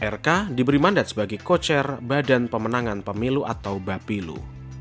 rk diberi mandat sebagai kocer badan pemenangan pemilu atau bapilu